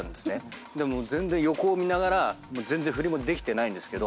もう全然横を見ながら全然振りもできてないんですけど。